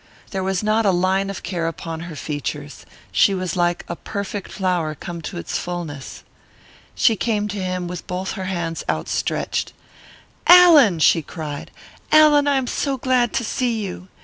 There was not a line of care upon her features she was like a perfect flower come to its fulness. She came to him with both her hands outstretched. "Allan!" she cried, "Allan! I am so glad to see you!"